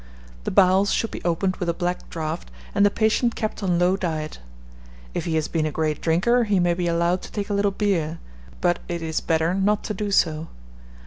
The bowels should be opened with a black draught, and the patient kept on low diet. If he has been a great drinker, he may be allowed to take a little beer; but it is better not to do so.